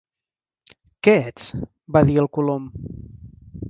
"Què ets?", va di el Colom.